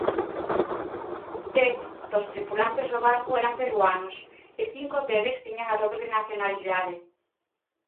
Dez dos tripulantes do barco eran peruanos e cinco deles tiñan a dobre nacionalidade.